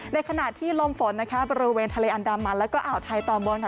ในขณะที่ลมฝนบริเวณทะเลอันดามันแล้วก็อ่าวไทยตอนบน